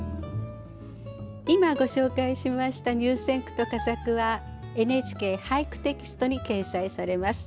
今ご紹介しました入選句と佳作は「ＮＨＫ俳句」テキストに掲載されます。